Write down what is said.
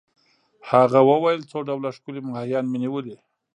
هغه وویل: څو ډوله ښکلي ماهیان مي نیولي.